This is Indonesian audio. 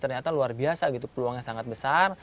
ternyata luar biasa gitu peluangnya sangat besar